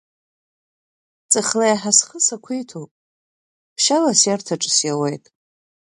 Ҵхла еиҳа схы сақәиҭуп, ԥшьала сиарҭаҿы сиауеит.